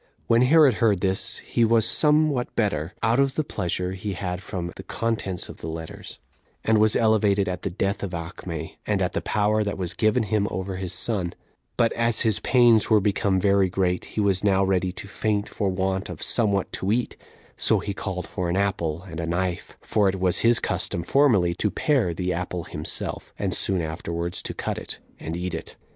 When Herod heard this, he was some what better, out of the pleasure he had from the contents of the letters, and was elevated at the death of Acme, and at the power that was given him over his son; but as his pains were become very great, he was now ready to faint for want of somewhat to eat; so he called for an apple and a knife; for it was his custom formerly to pare the apple himself, and soon afterwards to cut it, and eat it.